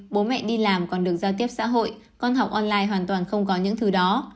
bố mẹ đi làm còn được giao tiếp xã hội con học online hoàn toàn không có những thứ đó